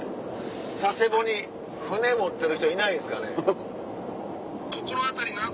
佐世保に船持ってる人いないんですかね？